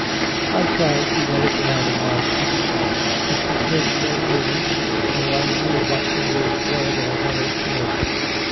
I tried to write it down in my pocket book, but could make no words, though I knew what the words were that I wanted to make.